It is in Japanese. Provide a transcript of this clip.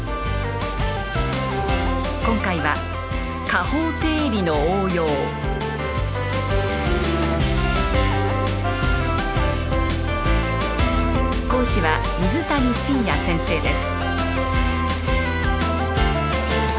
今回は講師は水谷信也先生です。